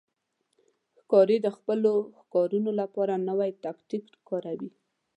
ښکاري د خپلو ښکارونو لپاره نوی تاکتیک کاروي.